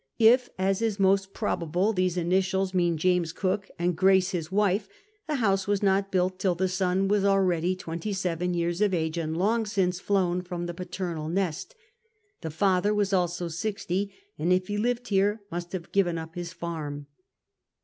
If, as is most probable, these initials mean James Cook and Grace his wife, the house was not built till the son was already twenty seven years of age and long since flown from the paternal nest The father was also sixty, and, if he lived here, must have given up his farm.